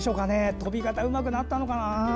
飛び方うまくなったのかな？